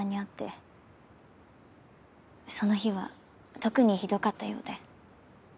その日は特にひどかったようで。